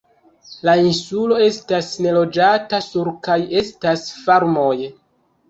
La insulo estas neloĝata, sur kaj estas farmoj.